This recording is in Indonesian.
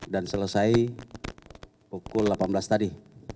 dan selesai pukul delapan belas tadi